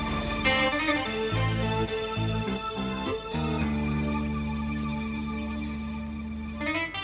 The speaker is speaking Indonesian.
kusir syetan syetan itu